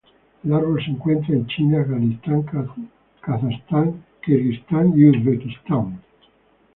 El árbol se encuentra en China, Afganistán, Kazajstán, Kirguistán y Uzbekistán.